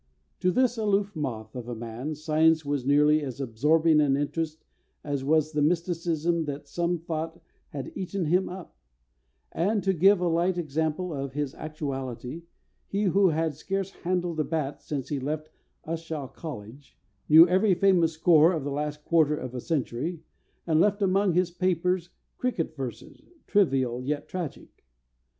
To this aloof moth of a man science was nearly as absorbing an interest as was the mysticism that some thought had eaten him up; and, to give a light example of his actuality, he who had scarce handled a bat since he left Ushaw College, knew every famous score of the last quarter of a century, and left among his papers cricket verses, trivial yet tragic.